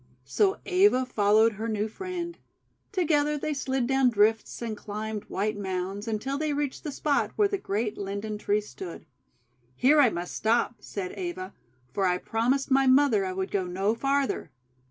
So Eva followed her new friend. Together they slid down drifts and climbed white mounds, 306 THE WONDER GARDEN until they reached the spot where the great Linden Tree stood. 'Here I must stop," said Eva, "for I promised my mother I would go no farther."